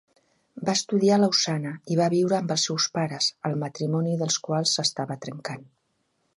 Va estudiar a Lausana i va viure amb els seus pares, el matrimoni dels quals s'estava trencant.